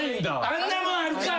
あんなもんあるか！